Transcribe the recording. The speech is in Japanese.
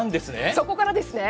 そこからですね。